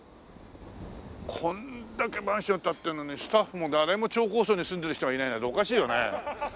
これだけマンション立ってるのにスタッフも誰も超高層に住んでいる人がいないなんておかしいよね。